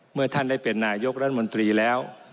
เมื่อท่านได้เป็นนายกรัฐมนตรีแล้ว